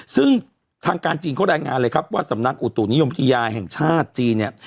ซึ่งทางการจีนเขารายงานเลยครับว่าสำนักอุตุนิยมวิทยาแห่งชาติจีนเนี่ย